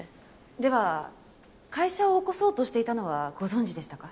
では会社を起こそうとしていたのはご存じでしたか？